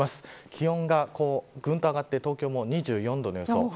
気温がぐんと上がって東京も２４度の予想。